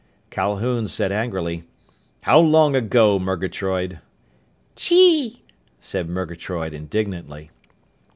Calhoun said angrily, "How long ago, Murgatroyd?" "Chee!" said Murgatroyd indignantly.